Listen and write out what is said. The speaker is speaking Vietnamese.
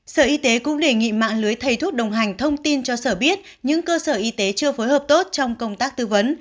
sở y tế cũng đề nghị mạng lưới thầy thuốc đồng hành thông tin cho sở biết những cơ sở y tế chưa phối hợp tốt trong công tác tư vấn